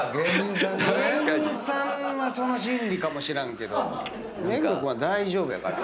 芸人さんはその心理かもしらんけど目黒君は大丈夫やから。